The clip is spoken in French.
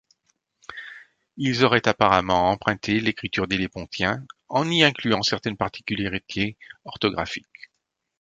Ils auraient apparemment emprunté l'écriture des Lépontiens, en y incluant certaines particularités orthographiques.